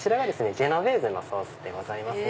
ジェノベーゼのソースですね。